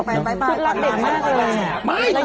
อ้าวอยากไปอยู่ที่นี่นี่ทุกอลมะอยากได้ไปทำงาน